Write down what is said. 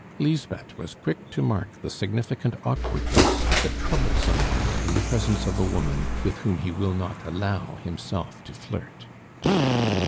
Lisbeth was quick to mark the significant awkwardness that troubles a man in the presence of a woman with whom he will not allow himself to flirt.